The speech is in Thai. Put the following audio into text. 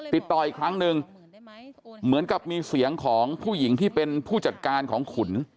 ติดต่ออีกครั้งนึงเหมือนกับมีเสียงของผู้หญิงที่เป็นผู้จัดการของขุน